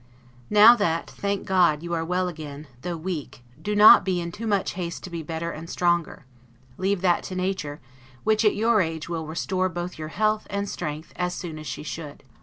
Now that, thank God, you are well again, though weak, do not be in too much haste to be better and stronger: leave that to nature, which, at your age, will restore both your health and strength as soon as she should.